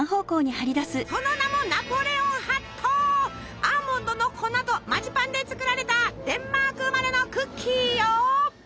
その名もアーモンドの粉とマジパンで作られたデンマーク生まれのクッキーよ。